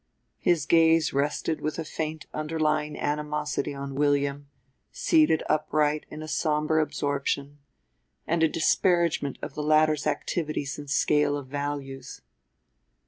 His gaze rested with a faint underlying animosity on William, seated upright in a somber absorption, and a disparagement of the latter's activities and scale of values.